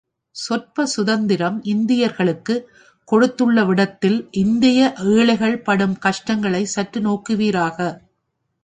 சொற்ப சுதந்திரம் இந்தியர்களுக்குக் கொடுத்துள்ளவிடத்தில் இந்திய ஏழைகள் படும் கஷ்டங்களைச் சற்று நோக்குவீராக.